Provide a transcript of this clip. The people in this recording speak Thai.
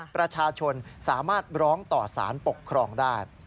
ประชาชนสามารถร้องต่อสารปกครองได้